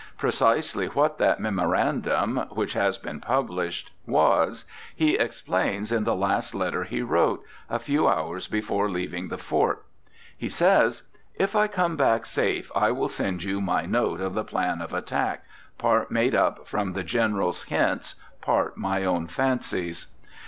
Precisely what that memorandum (which has been published) was he explains in the last letter he wrote, a few hours before leaving the fort. He says, "If I come back safe, I will send you my notes of the plan of attack, part made up from the General's hints, part my own fancies."